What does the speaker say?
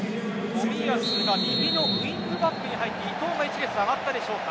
冨安が右のウイングバックに入って伊東が１列上がったでしょうか。